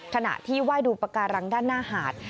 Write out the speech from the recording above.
ขณะที่ไหว้ดูปากการังด้านหน้าหาด